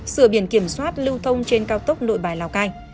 sửa biển kiểm soát lưu thông trên cao tốc nội bài lào cai